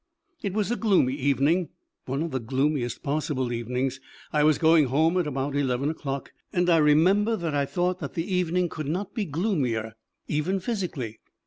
It was a gloomy evening, one of the gloomiest possible evenings. I was going home at about eleven o'clock, and I remember that I thought that the evening could not be gloomier. Even physically.